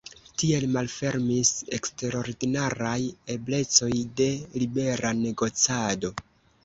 Tiel malfermis eksterordinaraj eblecoj de libera negocado.